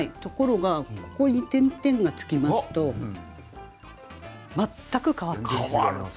ところがここに点々がつきますと全く変わってしまう。